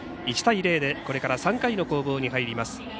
１対０でこれから３回の攻防に入ります。